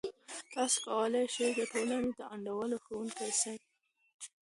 تاسې کولای سئ د ټولنې د انډول ښوونکی سئ.